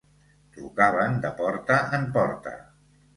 Trucaven de porta en porta.